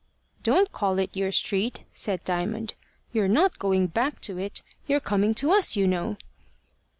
"Don't call it your street," said Diamond. "You're not going back to it. You're coming to us, you know."